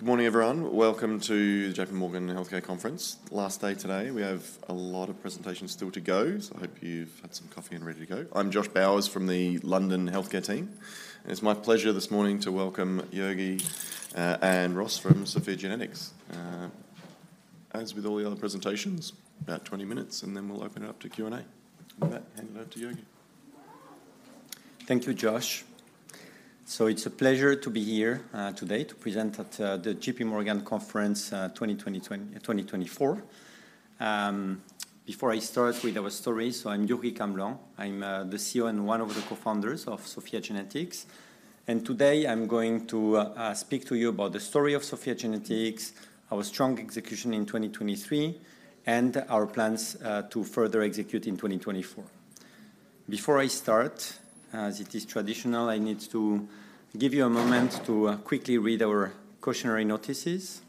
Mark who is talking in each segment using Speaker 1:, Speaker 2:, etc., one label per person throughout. Speaker 1: Good morning, everyone. Welcome to the JPMorgan Healthcare Conference. Last day today, we have a lot of presentations still to go, so I hope you've had some coffee and ready to go. I'm Josh Bowers from the London Healthcare team, and it's my pleasure this morning to welcome Jurgi and Ross from SOPHiA GENETICS. As with all the other presentations, about 20 minutes, and then we'll open it up to Q&A. With that, hand it over to Jurgi.
Speaker 2: Thank you, Josh. It's a pleasure to be here today to present at the JPMorgan Conference, 2024. Before I start with our story, I'm Jurgi Camblong. I'm the CEO and one of the co-founders of SOPHiA GENETICS, and today I'm going to speak to you about the story of SOPHiA GENETICS, our strong execution in 2023, and our plans to further execute in 2024. Before I start, as it is traditional, I need to give you a moment to quickly read our cautionary notices.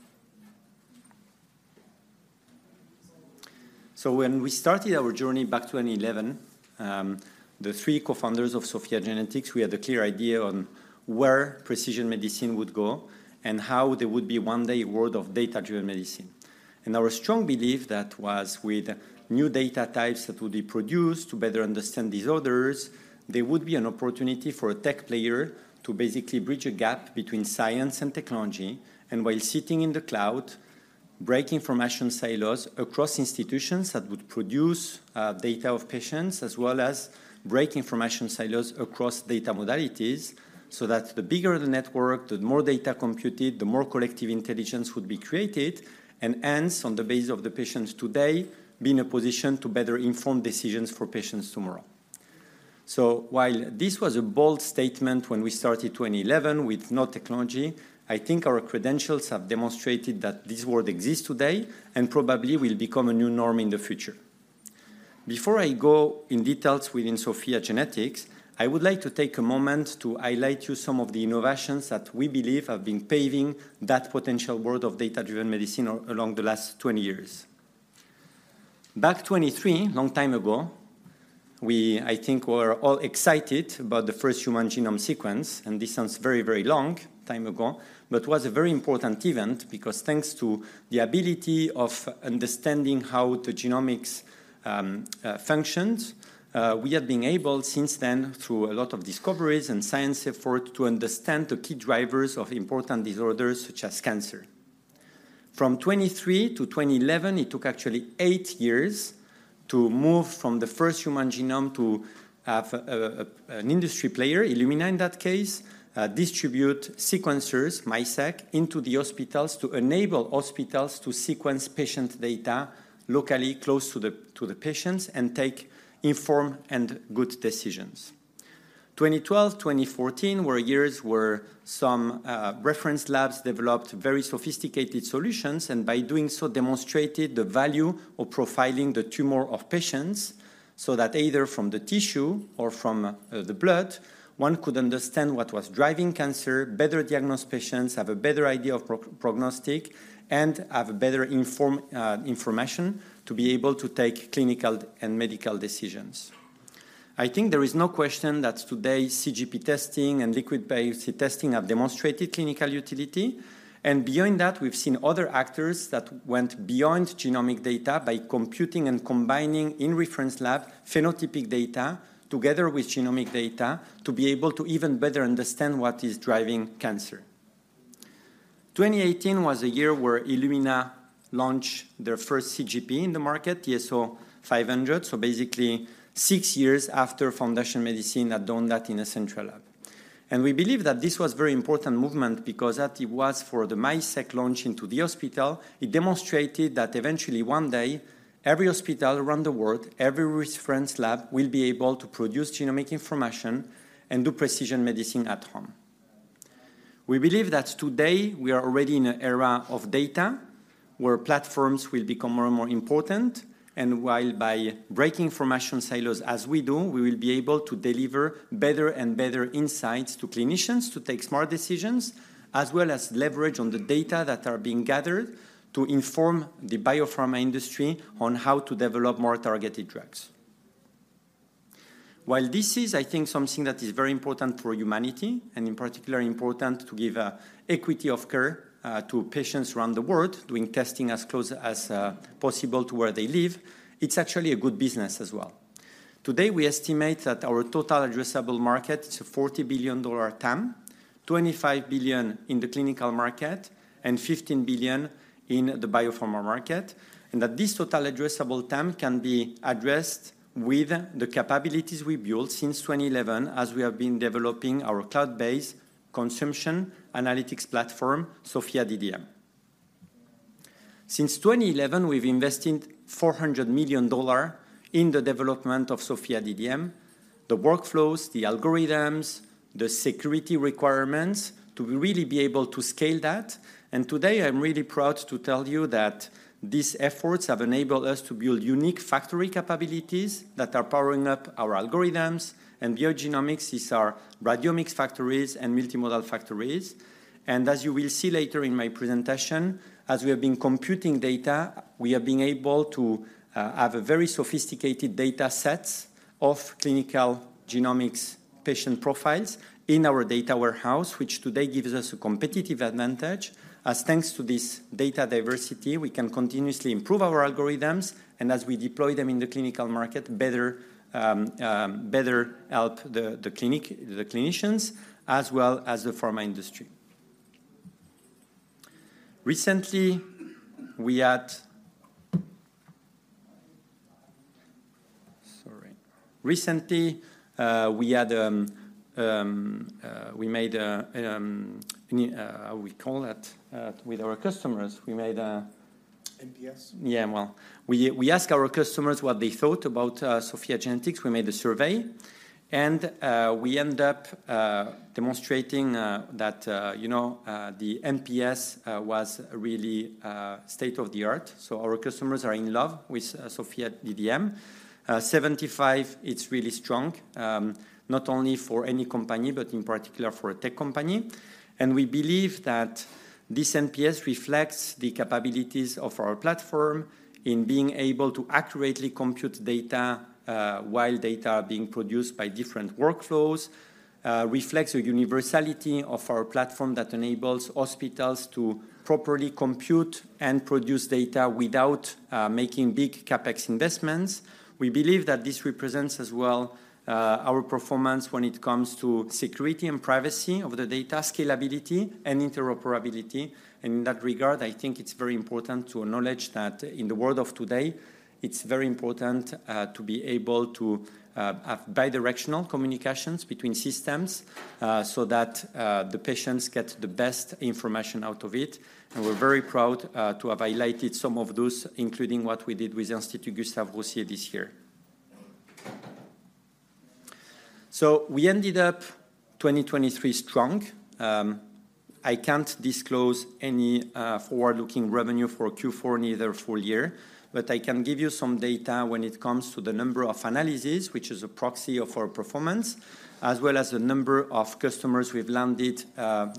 Speaker 2: When we started our journey back in 2011, the three co-founders of SOPHiA GENETICS, we had a clear idea on where precision medicine would go and how there would be one day a world of data-driven medicine. Our strong belief that was with new data types that would be produced to better understand disorders, there would be an opportunity for a tech player to basically bridge a gap between science and technology, and while sitting in the cloud, break information silos across institutions that would produce data of patients, as well as break information silos across data modalities, so that the bigger the network, the more data computed, the more collective intelligence would be created, and hence, on the base of the patients today, be in a position to better inform decisions for patients tomorrow. While this was a bold statement when we started 2011 with no technology, I think our credentials have demonstrated that this world exists today and probably will become a new norm in the future. Before I go in details within SOPHiA GENETICS, I would like to take a moment to highlight you some of the innovations that we believe have been paving that potential world of data-driven medicine along the last 20 years. Back 2003, long time ago, we, I think, were all excited about the first human genome sequence, and this sounds very, very long time ago, but was a very important event because thanks to the ability of understanding how the genomics functions, we have been able, since then, through a lot of discoveries and science effort, to understand the key drivers of important disorders, such as cancer. From 2003 to 2011, it took actually eight years to move from the first human genome to have an industry player, Illumina in that case, distribute sequencers, MiSeq, into the hospitals to enable hospitals to sequence patient data locally close to the patients and take informed and good decisions. 2012 to 2014 were years where some reference labs developed very sophisticated solutions, and by doing so, demonstrated the value of profiling the tumor of patients, so that either from the tissue or from the blood, one could understand what was driving cancer, better diagnose patients, have a better idea of prognostic, and have better information to be able to take clinical and medical decisions. I think there is no question that today, CGP testing and liquid biopsy testing have demonstrated clinical utility, and beyond that, we've seen other actors that went beyond genomic data by computing and combining in-reference lab phenotypic data together with genomic data to be able to even better understand what is driving cancer. 2018 was a year where Illumina launched their first CGP in the market, TSO 500, so basically six years after Foundation Medicine had done that in a central lab. We believe that this was very important movement because as it was for the MiSeq launch into the hospital, it demonstrated that eventually, one day, every hospital around the world, every reference lab, will be able to produce genomic information and do precision medicine at home. We believe that today, we are already in an era of data, where platforms will become more and more important, and while by breaking information silos as we do, we will be able to deliver better and better insights to clinicians to take smart decisions, as well as leverage on the data that are being gathered to inform the biopharma industry on how to develop more targeted drugs. While this is, I think, something that is very important for humanity, and in particular, important to give equity of care to patients around the world, doing testing as close as possible to where they live, it's actually a good business as well. Today, we estimate that our total addressable market is a $40 billion TAM, $25 billion in the clinical market and $15 billion in the biopharma market, and that this total addressable TAM can be addressed with the capabilities we built since 2011, as we have been developing our cloud-based consumption analytics platform, SOPHiA DDM. Since 2011, we've invested $400 million in the development of SOPHiA DDM, the workflows, the algorithms, the security requirements to really be able to scale that. And today, I'm really proud to tell you that these efforts have enabled us to build unique factory capabilities that are powering up our algorithms and bioinformatics, these are radiomics factories and multimodal factories. And as you will see later in my presentation, as we have been computing data, we have been able to have a very sophisticated data sets of clinical genomics patient profiles in our data warehouse, which today gives us a competitive advantage. As thanks to this data diversity, we can continuously improve our algorithms, and as we deploy them in the clinical market, better help the clinicians, as well as the pharma industry. Recently, with our customers, we made a-
Speaker 3: NPS?
Speaker 2: Yeah, well, we asked our customers what they thought about SOPHiA GENETICS. We made a survey, and we end up demonstrating that, you know, the NPS was really state-of-the-art. So our customers are in love with SOPHiA DDM. 75, it's really strong, not only for any company, but in particular for a tech company. And we believe that this NPS reflects the capabilities of our platform in being able to accurately compute data while data are being produced by different workflows, reflects the universality of our platform that enables hospitals to properly compute and produce data without making big CapEx investments. We believe that this represents as well our performance when it comes to security and privacy of the data, scalability and interoperability. In that regard, I think it's very important to acknowledge that in the world of today, it's very important to be able to have bi-directional communications between systems so that the patients get the best information out of it. We're very proud to have highlighted some of those, including what we did with the Institut Gustave Roussy this year. We ended up 2023 strong. I can't disclose any forward-looking revenue for Q4, neither full year, but I can give you some data when it comes to the number of analyses, which is a proxy of our performance, as well as the number of customers we've landed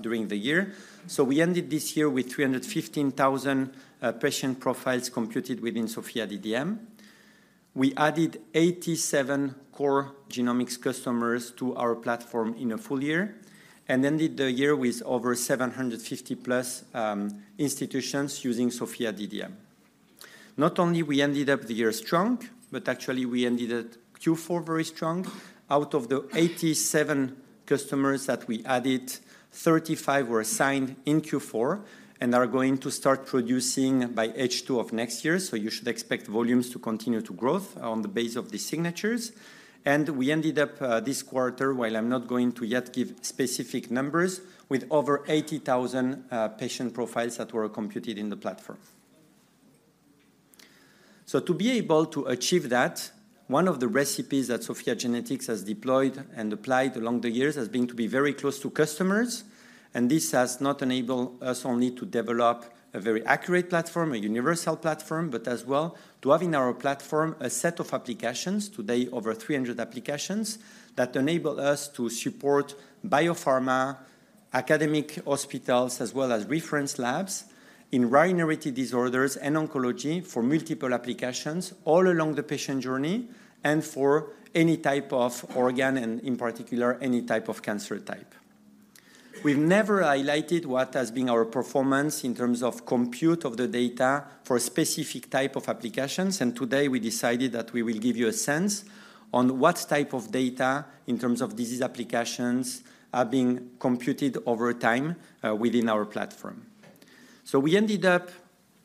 Speaker 2: during the year. We ended this year with 315,000 patient profiles computed within SOPHiA DDM. We added 87 core genomics customers to our platform in a full year, and ended the year with over 750+ institutions using SOPHiA DDM. Not only we ended up the year strong, but actually we ended Q4 very strong. Out of the 87 customers that we added, 35 were signed in Q4 and are going to start producing by H2 of next year, so you should expect volumes to continue to growth on the base of the signatures. And we ended up, this quarter, while I'm not going to yet give specific numbers, with over 80,000 patient profiles that were computed in the platform. So to be able to achieve that, one of the recipes that SOPHiA GENETICS has deployed and applied along the years has been to be very close to customers, and this has not enabled us only to develop a very accurate platform, a universal platform, but as well, to have in our platform a set of applications, today, over 300 applications, that enable us to support biopharma, academic hospitals, as well as reference labs in rare inherited disorders and oncology for multiple applications all along the patient journey and for any type of organ, and in particular, any type of cancer type. We've never highlighted what has been our performance in terms of compute of the data for specific type of applications, and today we decided that we will give you a sense on what type of data, in terms of disease applications, are being computed over time within our platform. So we ended up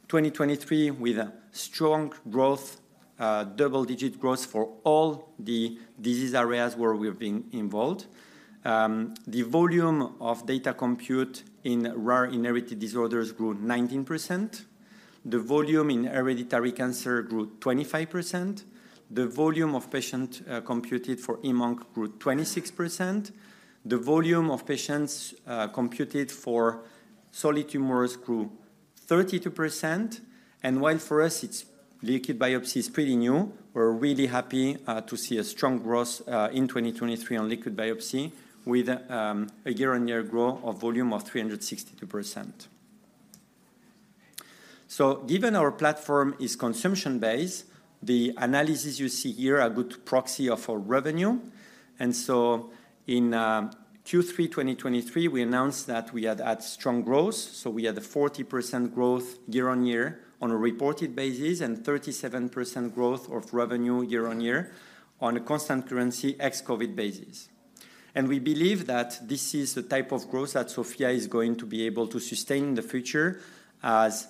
Speaker 2: 2023 with a strong growth, double-digit growth for all the disease areas where we've been involved. The volume of data compute in rare inherited disorders grew 19%. The volume in hereditary cancer grew 25%. The volume of patient computed for hem-onc grew 26%. The volume of patients computed for solid tumors grew 32%. And while for us, it's liquid biopsy is pretty new, we're really happy to see a strong growth in 2023 on liquid biopsy with a year-on-year growth of volume of 362%. So given our platform is consumption-based, the analysis you see here are a good proxy of our revenue. And so in Q3 2023, we announced that we had had strong growth, so we had a 40% growth year-on-year on a reported basis, and 37% growth of revenue year-on-year on a constant currency ex-COVID basis. We believe that this is the type of growth that SOPHiA is going to be able to sustain in the future as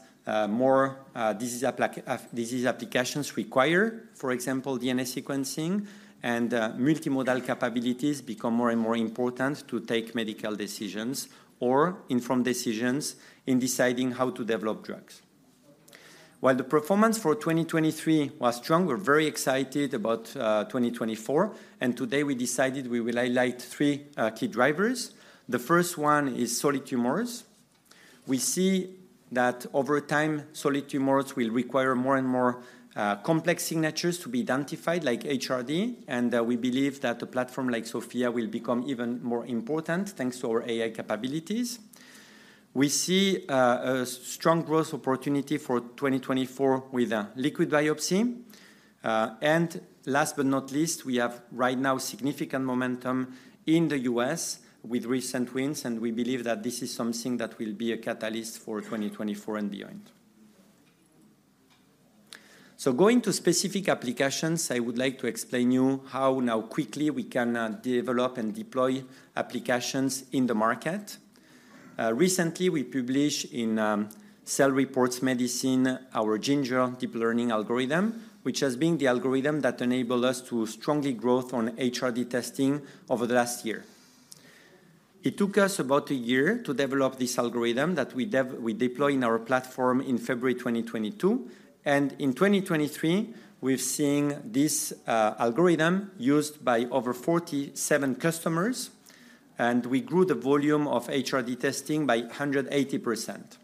Speaker 2: more disease applications require, for example, DNA sequencing and multimodal capabilities become more and more important to take medical decisions or inform decisions in deciding how to develop drugs. While the performance for 2023 was strong, we're very excited about 2024, and today we decided we will highlight three key drivers. The first one is solid tumors. We see that over time, solid tumors will require more and more complex signatures to be identified, like HRD, and we believe that a platform like SOPHiA will become even more important, thanks to our AI capabilities. We see a strong growth opportunity for 2024 with a liquid biopsy. And last but not least, we have right now significant momentum in the U.S. with recent wins, and we believe that this is something that will be a catalyst for 2024 and beyond. So going to specific applications, I would like to explain you how now quickly we can develop and deploy applications in the market. Recently, we published in Cell Reports Medicine, our GIInger deep learning algorithm, which has been the algorithm that enabled us to strongly growth on HRD testing over the last year. It took us about a year to develop this algorithm that we deploy in our platform in February 2022, and in 2023, we've seen this algorithm used by over 47 customers, and we grew the volume of HRD testing by 180%.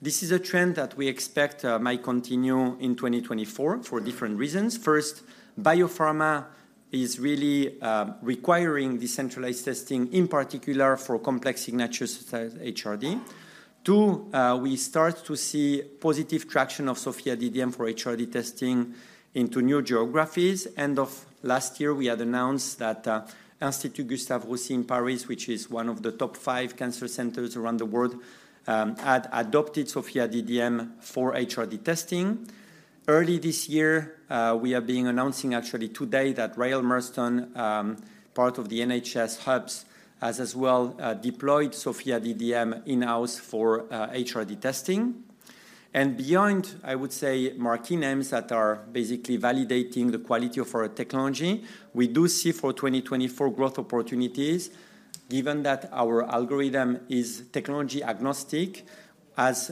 Speaker 2: This is a trend that we expect might continue in 2024 for different reasons. First, biopharma is really requiring decentralized testing, in particular for complex signatures such as HRD. Two, we start to see positive traction of SOPHiA DDM for HRD testing into new geographies. End of last year, we had announced that Institut Gustave Roussy in Paris, which is one of the top five cancer centers around the world, had adopted SOPHiA DDM for HRD testing. Early this year, we are being announcing actually today that Royal Marsden, part of the NHS hubs, has as well deployed SOPHiA DDM in-house for HRD testing. And beyond, I would say, marquee names that are basically validating the quality of our technology, we do see for 2024 growth opportunities, given that our algorithm is technology agnostic. As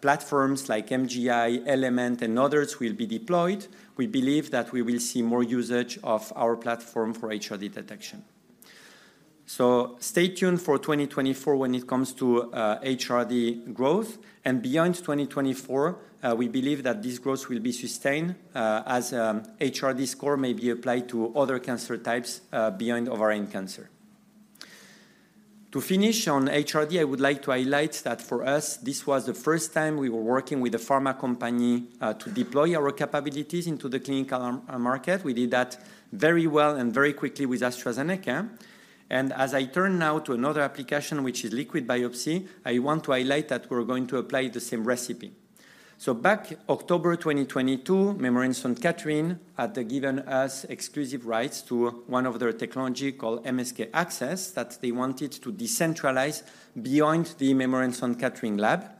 Speaker 2: platforms like MGI, Element, and others will be deployed, we believe that we will see more usage of our platform for HRD detection. So stay tuned for 2024 when it comes to HRD growth. And beyond 2024, we believe that this growth will be sustained as HRD score may be applied to other cancer types beyond ovarian cancer. To finish on HRD, I would like to highlight that for us, this was the first time we were working with a pharma company to deploy our capabilities into the clinical market. We did that very well and very quickly with AstraZeneca. And as I turn now to another application, which is liquid biopsy, I want to highlight that we're going to apply the same recipe. So, back in October 2022, Memorial Sloan Kettering had given us exclusive rights to one of their technology called MSK-ACCESS, that they wanted to decentralize beyond the Memorial Sloan Kettering lab.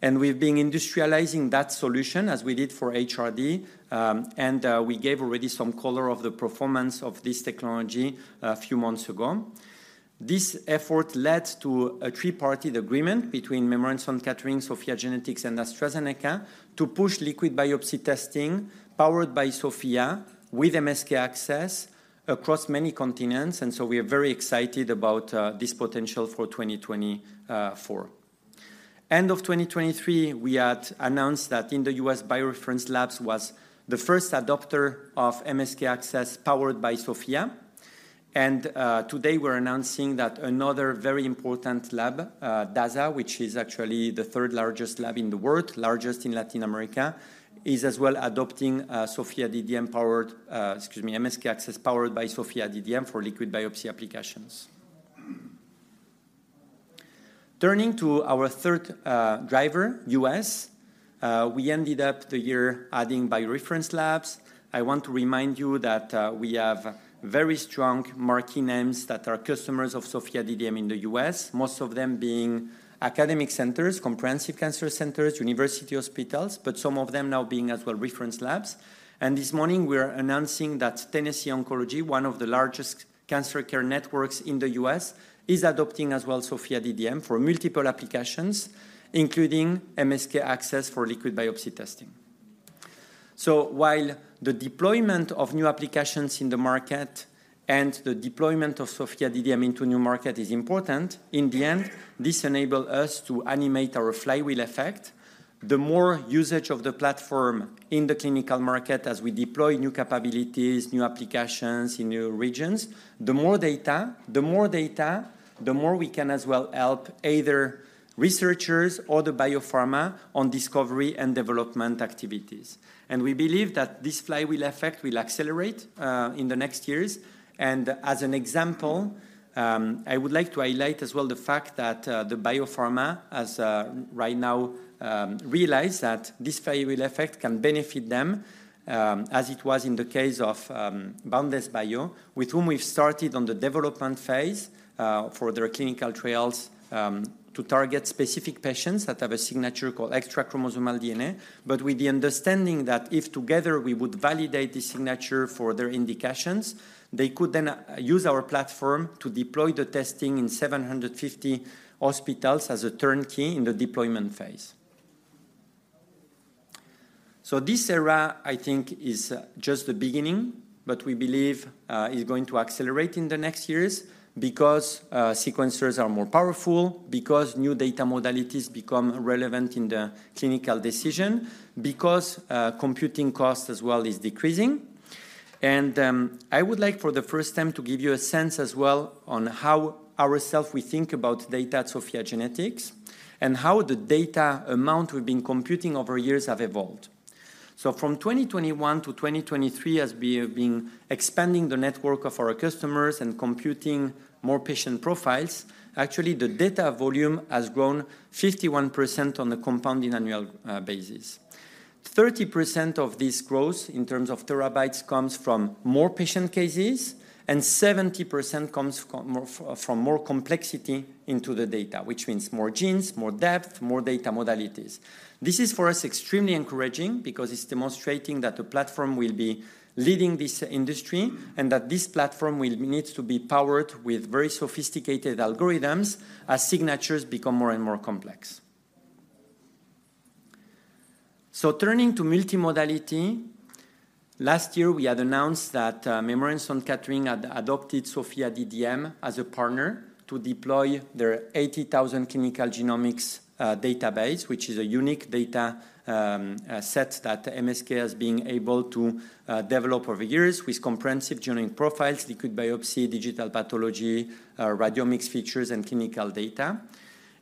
Speaker 2: We've been industrializing that solution as we did for HRD, and we gave already some color of the performance of this technology a few months ago. This effort led to a three-party agreement between Memorial Sloan Kettering, SOPHiA GENETICS, and AstraZeneca to push liquid biopsy testing, powered by SOPHiA, with MSK-ACCESS across many continents, and so we are very excited about this potential for 2024. End of 2023, we had announced that in the U.S., BioReference Labs was the first adopter of MSK-ACCESS, powered by SOPHiA. Today, we're announcing that another very important lab, Dasa, which is actually the third largest lab in the world, largest in Latin America, is as well adopting, SOPHiA DDM powered, excuse me, MSK-ACCESS, powered by SOPHiA DDM for liquid biopsy applications. Turning to our third driver, U.S., we ended up the year adding BioReference Labs. I want to remind you that we have very strong marquee names that are customers of SOPHiA DDM in the U.S. Most of them being academic centers, comprehensive cancer centers, university hospitals, but some of them now being as well reference labs. And this morning, we are announcing that Tennessee Oncology, one of the largest cancer care networks in the U.S., is adopting as well SOPHiA DDM for multiple applications, including MSK-ACCESS for liquid biopsy testing. So while the deployment of new applications in the market and the deployment of SOPHiA DDM into new market is important, in the end, this enable us to animate our flywheel effect. The more usage of the platform in the clinical market as we deploy new capabilities, new applications in new regions, the more data, the more data, the more we can as well help either researchers or the biopharma on discovery and development activities. And we believe that this flywheel effect will accelerate in the next years. As an example, I would like to highlight as well the fact that, the biopharma, as, right now, realize that this flywheel effect can benefit them, as it was in the case of, Boundless Bio, with whom we've started on the development phase, for their clinical trials, to target specific patients that have a signature called extrachromosomal DNA. But with the understanding that if together we would validate the signature for their indications, they could then, use our platform to deploy the testing in 750 hospitals as a turnkey in the deployment phase. This era, I think, is just the beginning, but we believe is going to accelerate in the next years because sequencers are more powerful, because new data modalities become relevant in the clinical decision, because computing cost as well is decreasing. I would like for the first time to give you a sense as well on how ourselves we think about data at SOPHiA GENETICS, and how the data amount we've been computing over years have evolved. From 2021 to 2023, as we have been expanding the network of our customers and computing more patient profiles, actually, the data volume has grown 51% on a compounding annual basis.... 30% of this growth in terms of terabytes comes from more patient cases, and 70% comes from more complexity into the data, which means more genes, more depth, more data modalities. This is, for us, extremely encouraging because it's demonstrating that the platform will be leading this industry and that this platform will need to be powered with very sophisticated algorithms as signatures become more and more complex. So turning to multimodality, last year, we had announced that Memorial Sloan Kettering had adopted SOPHiA DDM as a partner to deploy their 80,000 clinical genomics database, which is a unique data set that MSK has been able to develop over years with comprehensive genomic profiles, liquid biopsy, digital pathology, radiomics features, and clinical data.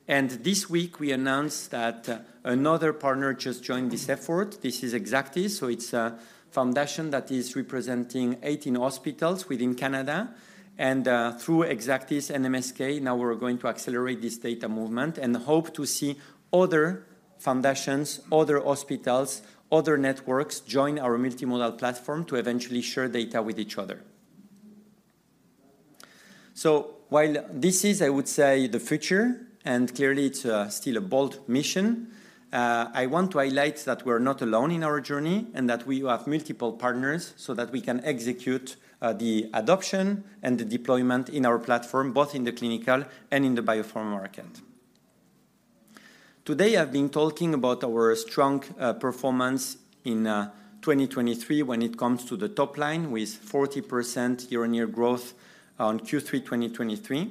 Speaker 2: And this week, we announced that another partner just joined this effort. This is Exactis, so it's a foundation that is representing 18 hospitals within Canada. And, through Exactis and MSK, now we're going to accelerate this data movement and hope to see other foundations, other hospitals, other networks join our multimodal platform to eventually share data with each other. So while this is, I would say, the future, and clearly it's, still a bold mission, I want to highlight that we're not alone in our journey, and that we have multiple partners so that we can execute, the adoption and the deployment in our platform, both in the clinical and in the biopharma market. Today, I've been talking about our strong, performance in, 2023 when it comes to the top line, with 40% year-on-year growth on Q3 2023.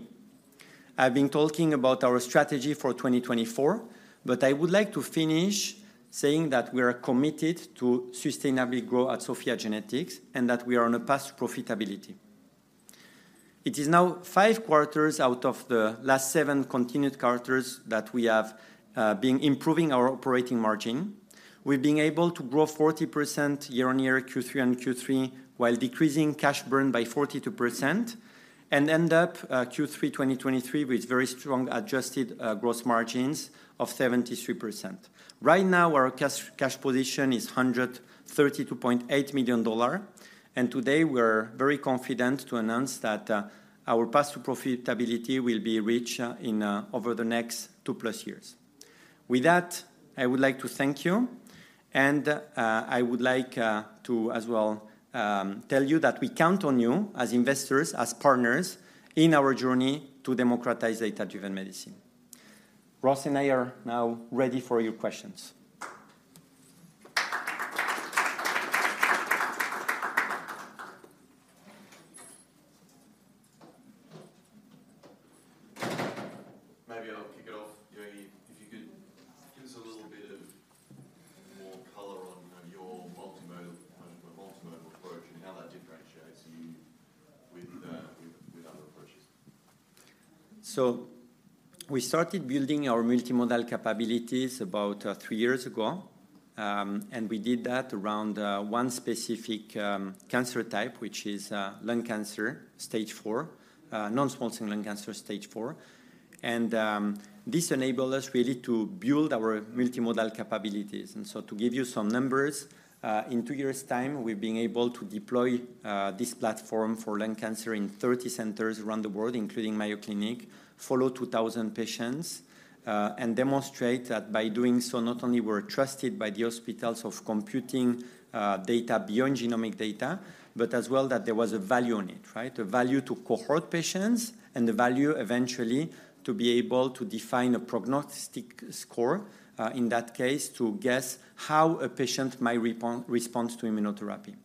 Speaker 2: I've been talking about our strategy for 2024, but I would like to finish saying that we are committed to sustainably grow at SOPHiA GENETICS and that we are on a path to profitability. It is now five quarters out of the last seven continued quarters that we have been improving our operating margin. We've been able to grow 40% year-on-year, Q3-on-Q3, while decreasing cash burn by 42% and end up Q3 2023 with very strong adjusted gross margins of 73%. Right now, our cash position is $132.8 million, and today we're very confident to announce that our path to profitability will be reached in over the next two plus years. With that, I would like to thank you, and I would like to as well tell you that we count on you as investors, as partners in our journey to democratize data-driven medicine. Ross and I are now ready for your questions.
Speaker 1: Maybe I'll kick it off. Jurgi, if you could give us a little bit more color on, you know, your multimodal, multimodal approach and how that differentiates you with, with other approaches.
Speaker 2: So we started building our multimodal capabilities about three years ago, and we did that around one specific cancer type, which is lung cancer, stage four non-small cell lung cancer, stage four. And this enabled us really to build our multimodal capabilities. And so to give you some numbers, in two years' time, we've been able to deploy this platform for lung cancer in 30 centers around the world, including Mayo Clinic, follow 2,000 patients, and demonstrate that by doing so, not only we're trusted by the hospitals for computing data beyond genomic data, but as well that there was a value on it, right? A value to cohort patients and a value eventually to be able to define a prognostic score, in that case, to guess how a patient might respond to immunotherapy.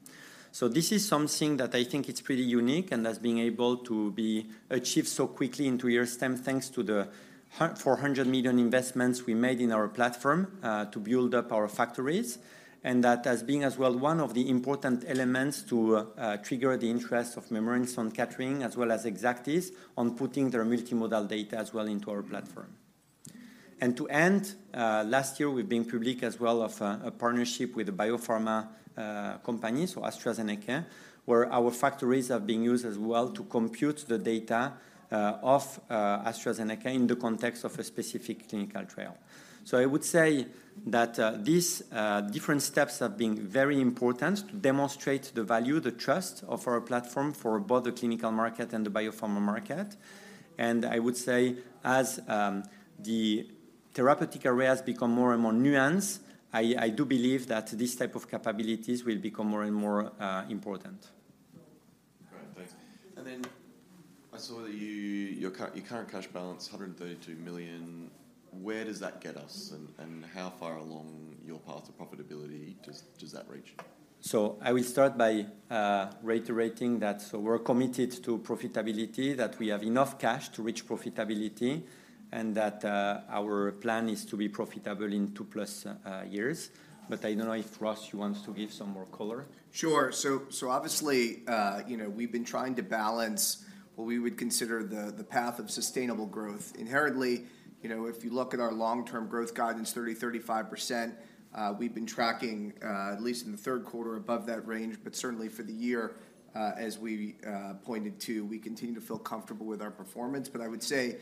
Speaker 2: So this is something that I think is pretty unique and has been able to be achieved so quickly in two years' time, thanks to the $400 million investments we made in our platform, to build up our factories, and that has been as well one of the important elements to trigger the interest of Memorial Sloan Kettering, as well as Exactis, on putting their multimodal data as well into our platform. And to end last year, we've been public as well of a partnership with a biopharma company, so AstraZeneca, where our factories are being used as well to compute the data of AstraZeneca in the context of a specific clinical trial. So I would say that these different steps have been very important to demonstrate the value, the trust of our platform for both the clinical market and the biopharma market. And I would say, as the therapeutic areas become more and more nuanced, I do believe that these type of capabilities will become more and more important.
Speaker 1: Great. Thanks. And then I saw that your current cash balance, $132 million. Where does that get us, and how far along your path to profitability does that reach?
Speaker 2: I will start by reiterating that so we're committed to profitability, that we have enough cash to reach profitability, and that our plan is to be profitable in two plus years. But I don't know if, Ross, you want to give some more color?
Speaker 3: Sure. So obviously, you know, we've been trying to balance what we would consider the path of sustainable growth. Inherently, you know, if you look at our long-term growth guidance, 30%-35%, we've been tracking, at least in the third quarter, above that range. But certainly for the year, as we pointed to, we continue to feel comfortable with our performance. But I would say,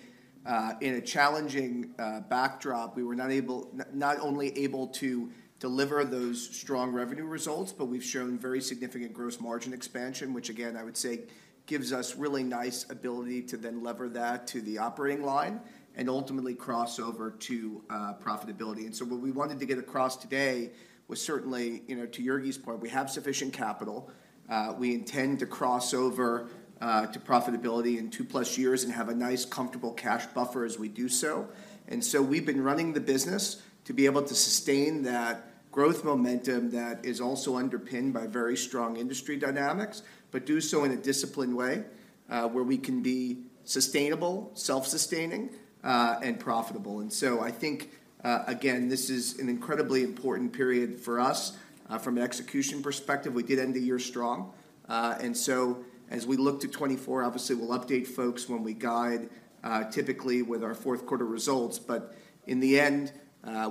Speaker 3: in a challenging backdrop, we were not only able to deliver those strong revenue results, but we've shown very significant gross margin expansion, which again, I would say, gives us really nice ability to then lever that to the operating line and ultimately cross over to profitability. And so what we wanted to get across today was certainly, you know, to Jurgi's point, we have sufficient capital. We intend to cross over to profitability in two plus years and have a nice, comfortable cash buffer as we do so. And so we've been running the business to be able to sustain that growth momentum that is also underpinned by very strong industry dynamics, but do so in a disciplined way, where we can be sustainable, self-sustaining, and profitable. And so I think, again, this is an incredibly important period for us, from an execution perspective. We did end the year strong. And so as we look to 2024, obviously we'll update folks when we guide, typically with our fourth quarter results. But in the end,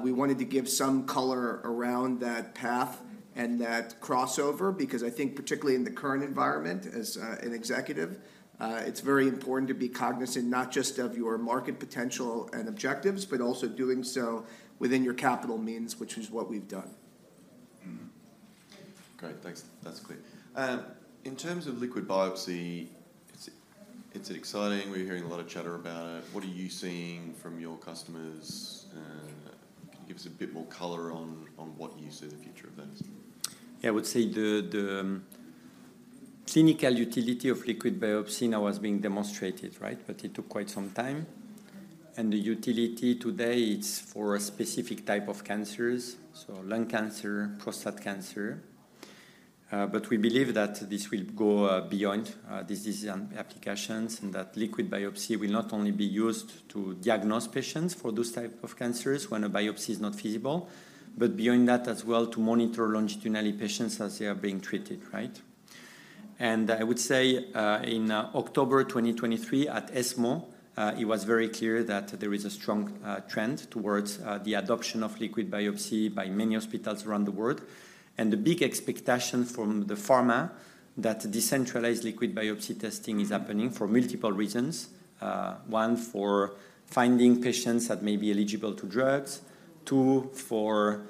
Speaker 3: we wanted to give some color around that path and that crossover, because I think particularly in the current environment as an executive, it's very important to be cognizant, not just of your market potential and objectives, but also doing so within your capital means, which is what we've done.
Speaker 1: Great, thanks. That's clear. In terms of liquid biopsy, it's exciting. We're hearing a lot of chatter about it. What are you seeing from your customers, and can you give us a bit more color on what you see the future of that is?
Speaker 2: Yeah, I would say the clinical utility of liquid biopsy now is being demonstrated, right? But it took quite some time. And the utility today, it's for a specific type of cancers, so lung cancer, prostate cancer. But we believe that this will go beyond diseases and applications, and that liquid biopsy will not only be used to diagnose patients for those type of cancers when a biopsy is not feasible, but beyond that as well, to monitor longitudinally patients as they are being treated, right? And I would say, in October 2023, at ESMO, it was very clear that there is a strong trend towards the adoption of liquid biopsy by many hospitals around the world. And the big expectation from the pharma, that decentralized liquid biopsy testing is happening for multiple reasons. One, for finding patients that may be eligible to drugs. Two, for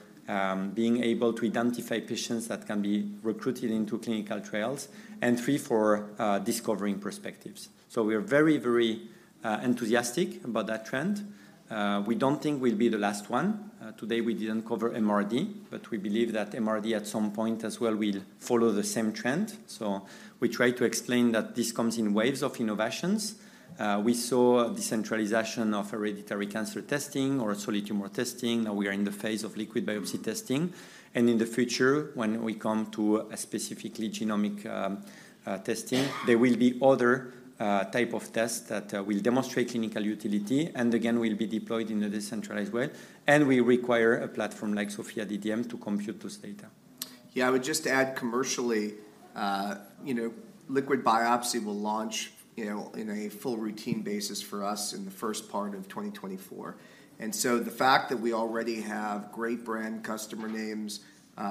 Speaker 2: being able to identify patients that can be recruited into clinical trials. And three, for discovering perspectives. So we are very, very enthusiastic about that trend. We don't think we'll be the last one. Today we didn't cover MRD, but we believe that MRD, at some point as well, will follow the same trend. So we try to explain that this comes in waves of innovations. We saw decentralization of hereditary cancer testing or solid tumor testing. Now we are in the phase of liquid biopsy testing, and in the future, when we come to a specifically genomic testing, there will be other type of tests that will demonstrate clinical utility, and again, will be deployed in a decentralized way, and will require a platform like SOPHiA DDM to compute this data.
Speaker 3: Yeah, I would just add commercially, you know, liquid biopsy will launch, you know, in a full routine basis for us in the first part of 2024. And so the fact that we already have great brand customer names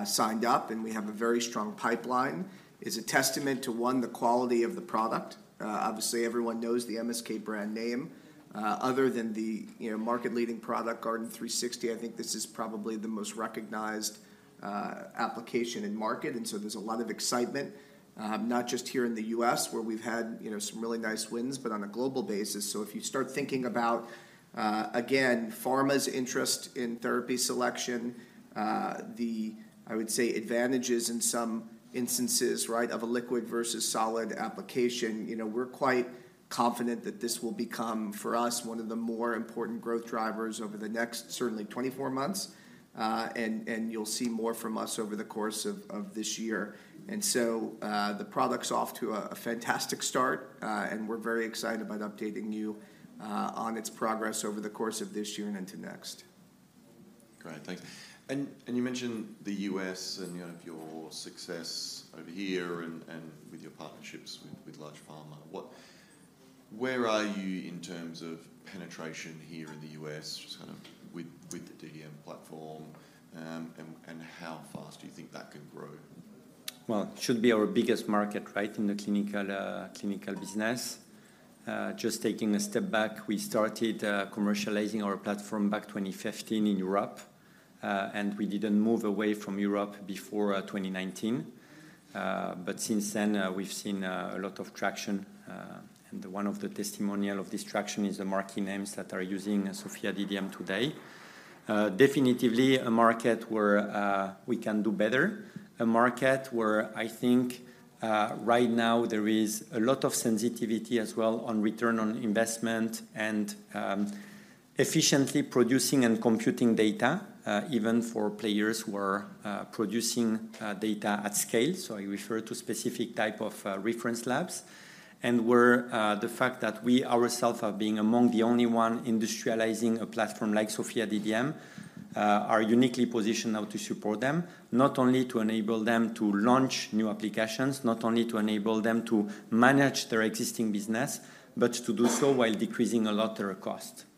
Speaker 3: signed up and we have a very strong pipeline is a testament to, one, the quality of the product. Obviously, everyone knows the MSK brand name. Other than the, you know, market-leading product, Guardant 360, I think this is probably the most recognized application in market. And so there's a lot of excitement, not just here in the U.S. where we've had, you know, some really nice wins, but on a global basis. So if you start thinking about, again, pharma's interest in therapy selection, the, I would say, advantages in some instances, right, of a liquid versus solid application. You know, we're quite confident that this will become, for us, one of the more important growth drivers over the next certainly 24 months. And you'll see more from us over the course of this year. And so, the product's off to a fantastic start, and we're very excited about updating you on its progress over the course of this year and into next.
Speaker 1: Great, thanks. And you mentioned the U.S. and, you know, of your success over here and with your partnerships with large pharma. Where are you in terms of penetration here in the U.S., just kind of with the DDM platform? And how fast do you think that can grow?
Speaker 2: Well, it should be our biggest market, right, in the clinical, clinical business. Just taking a step back, we started commercializing our platform back 2015 in Europe, and we didn't move away from Europe before 2019. But since then, we've seen a lot of traction, and one of the testimonial of this traction is the marquee names that are using SOPHiA DDM today. Definitively a market where we can do better, a market where I think right now there is a lot of sensitivity as well on return on investment and efficiently producing and computing data, even for players who are producing data at scale. So I refer to specific type of reference labs. And where the fact that we ourselves are being among the only one industrializing a platform like SOPHiA DDM are uniquely positioned now to support them. Not only to enable them to launch new applications, not only to enable them to manage their existing business, but to do so while decreasing a lot their cost. And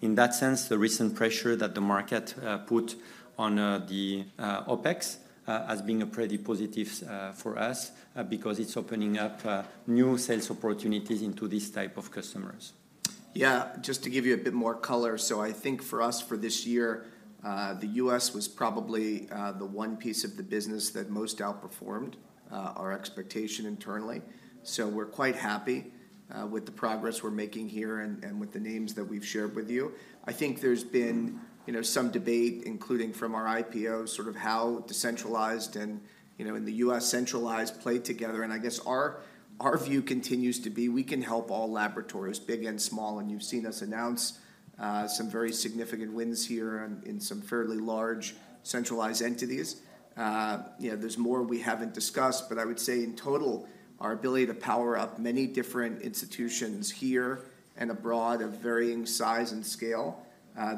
Speaker 2: in that sense, the recent pressure that the market put on the OpEx has been a pretty positive for us because it's opening up new sales opportunities into these type of customers....
Speaker 3: Yeah, just to give you a bit more color, so I think for us, for this year, the U.S. was probably the one piece of the business that most outperformed our expectation internally. So we're quite happy with the progress we're making here and with the names that we've shared with you. I think there's been, you know, some debate, including from our IPO, sort of how decentralized and, you know, in the U.S., centralized play together. I guess our view continues to be we can help all laboratories, big and small, and you've seen us announce some very significant wins here in some fairly large, centralized entities. You know, there's more we haven't discussed, but I would say in total, our ability to power up many different institutions here and abroad of varying size and scale,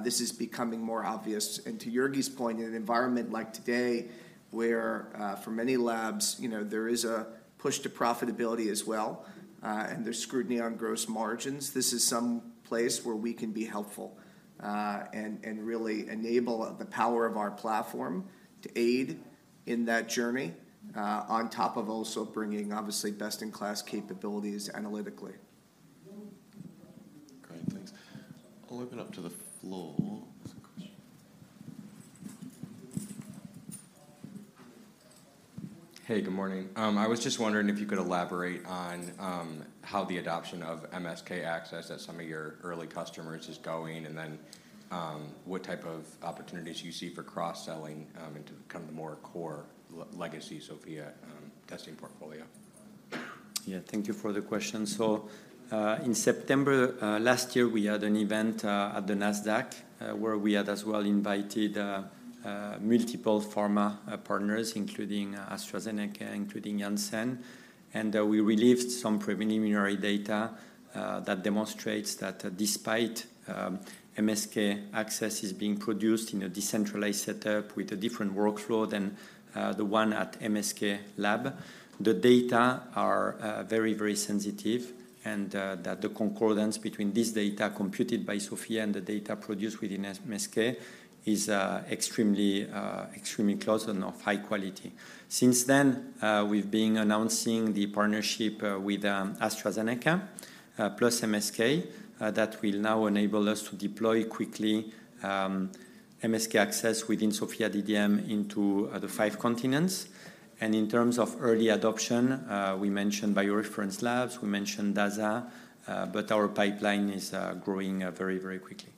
Speaker 3: this is becoming more obvious. And to Jurgi's point, in an environment like today, where, for many labs, you know, there is a push to profitability as well, and there's scrutiny on gross margins, this is some place where we can be helpful, and really enable the power of our platform to aid in that journey, on top of also bringing obviously best-in-class capabilities analytically.
Speaker 1: Great, thanks. I'll open up to the floor.
Speaker 4: Hey, good morning. I was just wondering if you could elaborate on how the adoption of MSK-ACCESS at some of your early customers is going, and then what type of opportunities you see for cross-selling into kind of the more core legacy SOPHiA testing portfolio?
Speaker 2: Yeah, thank you for the question. So, in September last year, we had an event at the Nasdaq, where we had as well invited multiple pharma partners, including AstraZeneca, including Janssen, and we released some preliminary data that demonstrates that despite MSK-ACCESS is being produced in a decentralized setup with a different workflow than the one at MSK lab, the data are very, very sensitive and that the concordance between this data computed by SOPHiA and the data produced within MSK is extremely, extremely close and of high quality. Since then, we've been announcing the partnership with AstraZeneca plus MSK that will now enable us to deploy quickly MSK-ACCESS within SOPHiA DDM into the five continents. In terms of early adoption, we mentioned BioReference Labs, we mentioned Dasa, but our pipeline is growing very, very quickly.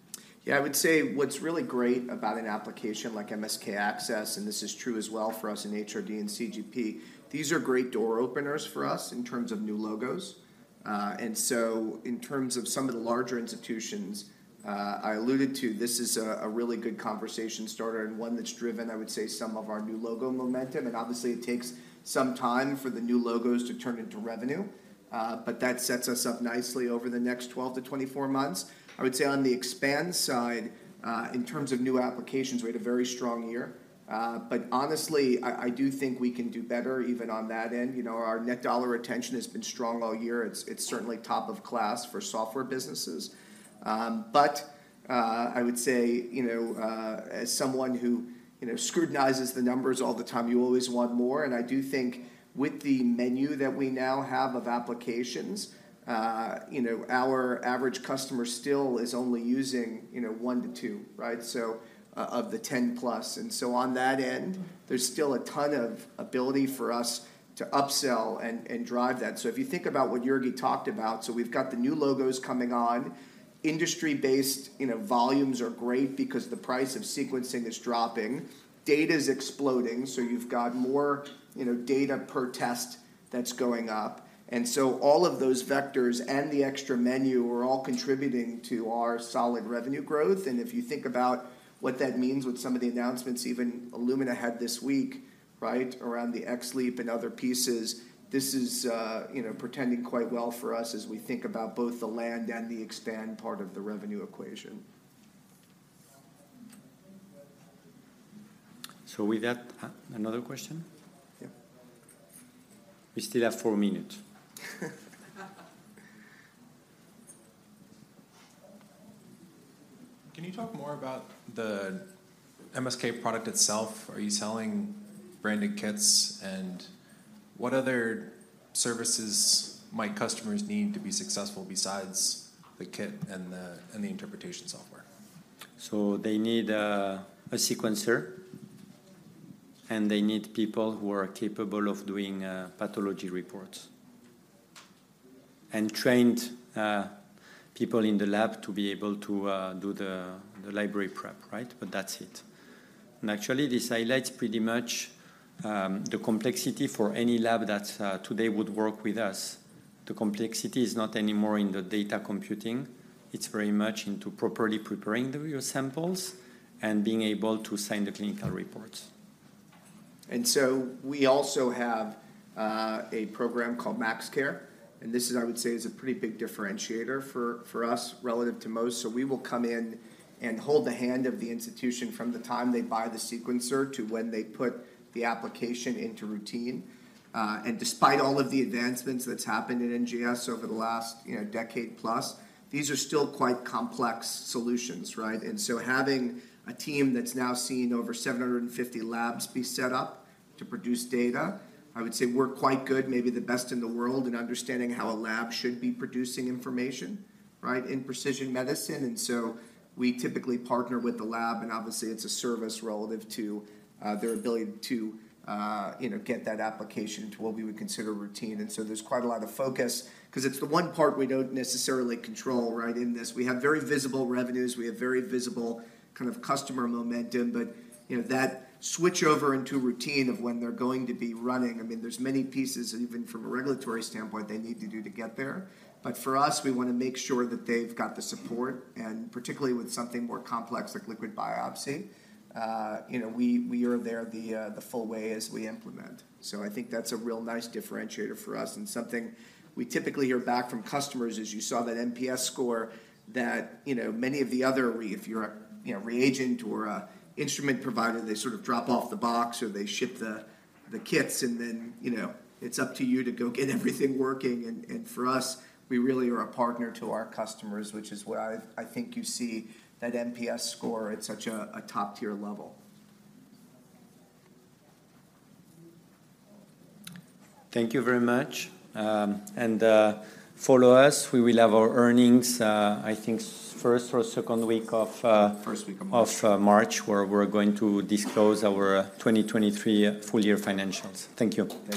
Speaker 3: Yeah, I would say what's really great about an application like MSK-ACCESS, and this is true as well for us in HRD and CGP, these are great door openers for us in terms of new logos. And so in terms of some of the larger institutions I alluded to, this is a really good conversation starter and one that's driven, I would say, some of our new logo momentum, and obviously, it takes some time for the new logos to turn into revenue. But that sets us up nicely over the next 12-24 months. I would say on the expand side, in terms of new applications, we had a very strong year. But honestly, I do think we can do better even on that end. You know, our net dollar retention has been strong all year. It's certainly top of class for software businesses. But I would say, you know, as someone who, you know, scrutinizes the numbers all the time, you always want more, and I do think with the menu that we now have of applications, you know, our average customer still is only using, you know, one to two, right? So of the 10+. And so on that end, there's still a ton of ability for us to upsell and drive that. So if you think about what Jurgi talked about, so we've got the new logos coming on, industry-based, you know, volumes are great because the price of sequencing is dropping. Data's exploding, so you've got more, you know, data per test that's going up. And so all of those vectors and the extra menu are all contributing to our solid revenue growth. If you think about what that means with some of the announcements even Illumina had this week, right, around the XLEAP and other pieces, this is, you know, portending quite well for us as we think about both the land and the expand part of the revenue equation.
Speaker 2: So with that, another question? Yeah. We still have four minutes.
Speaker 4: Can you talk more about the MSK product itself? Are you selling branded kits, and what other services might customers need to be successful besides the kit and the interpretation software?
Speaker 2: They need a sequencer, and they need people who are capable of doing pathology reports, and trained people in the lab to be able to do the library prep, right? That's it. Actually, this highlights pretty much the complexity for any lab that today would work with us. The complexity is not anymore in the data computing. It's very much into properly preparing the samples and being able to sign the clinical reports.
Speaker 3: And so we also have a program called MaxCare, and this is, I would say, is a pretty big differentiator for, for us relative to most. We will come in and hold the hand of the institution from the time they buy the sequencer to when they put the application into routine. And despite all of the advancements that's happened in NGS over the last, you know, decade plus, these are still quite complex solutions, right? Having a team that's now seen over 750 labs be set up to produce data, I would say we're quite good, maybe the best in the world, in understanding how a lab should be producing information, right, in precision medicine. We typically partner with the lab, and obviously, it's a service relative to their ability to, you know, get that application to what we would consider routine. So there's quite a lot of focus 'cause it's the one part we don't necessarily control, right, in this. We have very visible revenues. We have very visible kind of customer momentum, but, you know, that switch over into routine of when they're going to be running. I mean, there's many pieces, and even from a regulatory standpoint, they need to do to get there. But for us, we want to make sure that they've got the support, and particularly with something more complex like liquid biopsy, you know, we, we are there the, the full way as we implement. So I think that's a real nice differentiator for us, and something we typically hear back from customers, as you saw that NPS score, that, you know, many of the other, if you're a, you know, reagent or a instrument provider, they sort of drop off the box, or they ship the kits, and then, you know, it's up to you to go get everything working. And for us, we really are a partner to our customers, which is why I think you see that NPS score at such a top-tier level.
Speaker 2: Thank you very much. Follow us. We will have our earnings, I think first or second week of,
Speaker 3: First week of March....
Speaker 2: of March, where we're going to disclose our 2023 full year financials. Thank you. Thank you.